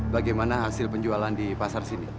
bagaimana hasil penjualan di pasar sini